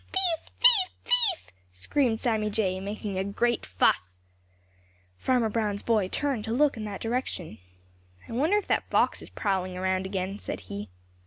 "Thief! thief! thief!" screamed Sammy Jay, making a great fuss. Farmer Brown's boy turned to look in that direction. "I wonder if that fox is prowling around again," said he.